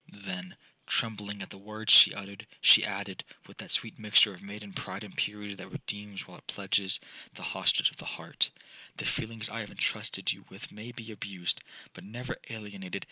Then, trembling at the words she uttered, she added, with that sweet mixture of maiden pride and purity that redeems while it pledges the hostage of the heart, 'The feelings I have entrusted you with may be abused, but never alienated.'